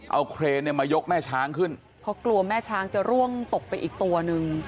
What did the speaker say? เอาเครนเนี่ยมายกแม่ช้างขึ้นเพราะกลัวแม่ช้างจะร่วงตกไปอีกตัวนึง